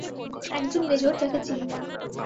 একজন মেজর যাকে চিনতাম।